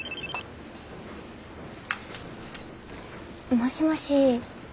もしもし。